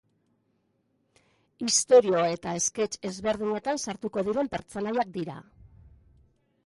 Istorio eta esketx ezberdinetan sartuko diren pertsonaiak dira.